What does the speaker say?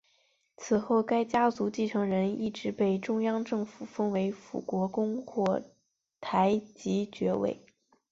此后该家族继承人一直被中央政府封为辅国公或台吉爵位。